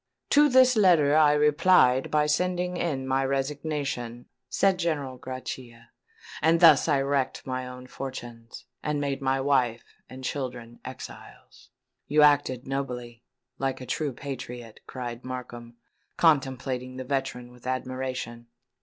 "To this letter I replied by sending in my resignation," said General Grachia; "and thus I wrecked my own fortunes, and made my wife and children exiles." "You acted nobly—like a true patriot," cried Markham, contemplating the veteran with admiration.